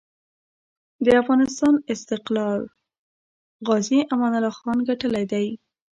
د افغانسان استقلار غازي امان الله خان ګټلی دی.